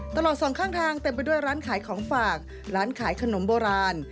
สองข้างทางเต็มไปด้วยร้านขายของฝากร้านขายขนมโบราณ